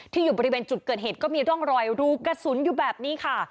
อยู่บริเวณจุดเกิดเหตุก็มีร่องรอยรูกระสุนอยู่แบบนี้ค่ะ